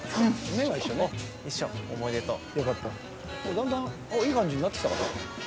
だんだんいい感じになってきたかな。